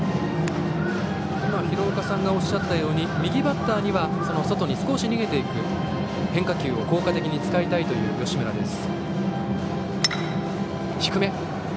今、廣岡さんがおっしゃったように右バッターには外に少し逃げていく変化球を効果的に使いたいという吉村です。